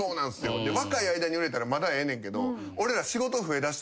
若い間に売れたらまだええねんけど。